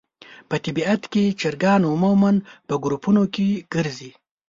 په طبیعت کې چرګان عموماً په ګروپونو کې ګرځي.